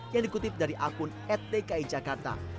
yang dikutip dari akun etki jakarta